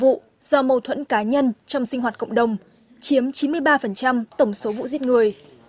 sáu ba trăm linh vụ do mâu thuẫn cá nhân trong sinh hoạt cộng đồng chiếm chín mươi ba tổng số vụ giết người